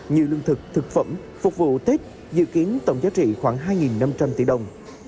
như lương thực thực phẩm phục vụ tết dự kiến tổng giá trị khoảng hai năm trăm linh tỷ đồng